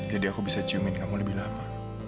jadi aku bisa ciumin kamu lebih lama